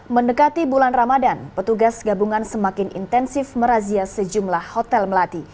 mendekati bulan ramadan petugas gabungan semakin intensif merazia sejumlah hotel melati